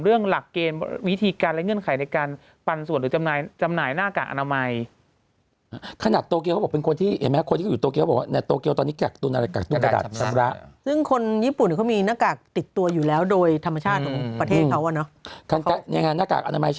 เรื่องหลักเกณฑ์วิธีการและเงื่อนไขในการปรรณส่วนหรือจำนายจำนายนากากอนามัย